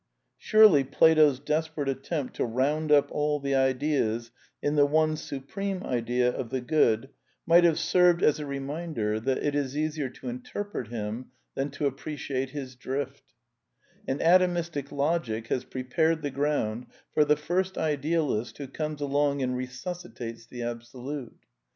Surely Plato's desperate attempt to round up all the ideas in the one supreme Idea of the Good might have served as a reminder f THE NEW REALISM 233 that it is easier to interpret him than to appreciate his drift » And Atomistic Logic has prepared the ground for the first idealist who comes along and resuscitates the Abso lute.